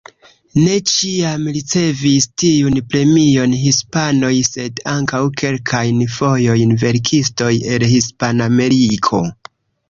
Ne ĉiam ricevis tiun premion hispanoj, sed ankaŭ kelkajn fojojn verkistoj el Hispanameriko.